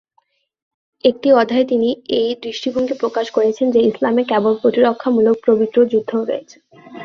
একটি অধ্যায়ে তিনি এই দৃষ্টিভঙ্গি প্রকাশ করেছেন যে ইসলামে কেবল প্রতিরক্ষামূলক পবিত্র যুদ্ধ রয়েছে।